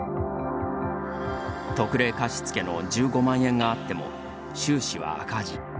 特例貸付の１５万円があっても収支は赤字。